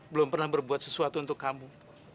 belum pernah berbuat sesuatu untuk kamu